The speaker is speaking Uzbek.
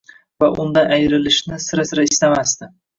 va undan ayrilishni sira-sira istamasdi.